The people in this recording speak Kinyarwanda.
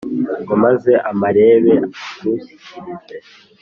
Ngo maze amarebe akunshyikirize.